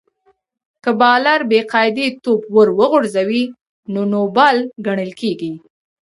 که بالر بې قاعدې توپ ور وغورځوي؛ نو نو بال ګڼل کیږي.